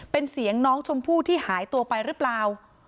เป็นเสียงน้องชมพู่ที่หายตัวไปหรือเปล่า